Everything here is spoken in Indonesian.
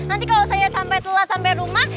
nanti kalau saya sampai telah sampai rumah